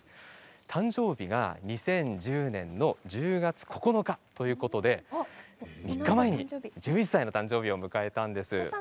誕生日が２０１０年１０月９日ということで３日前に１１歳の誕生日を迎えたんです。